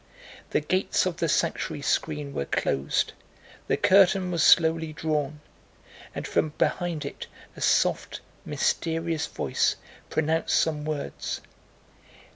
The gates of the sanctuary screen were closed, the curtain was slowly drawn, and from behind it a soft mysterious voice pronounced some words.